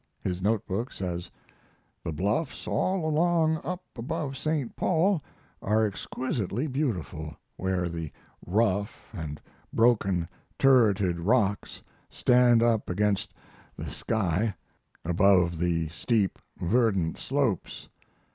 His note book says: The bluffs all along up above St. Paul are exquisitely beautiful where the rough and broken turreted rocks stand up against the sky above the steep, verdant slopes.